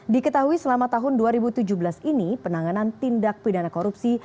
diketahui selama tahun dua ribu tujuh belas ini penanganan tindak pidana korupsi